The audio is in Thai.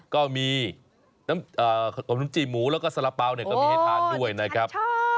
ก็มีขนมนุษยหมูแล้วก็สละเปาเนี่ยก็มีให้ทานด้วยนะครับ